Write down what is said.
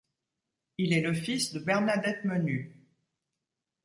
Il est le fils de Bernadette Menu.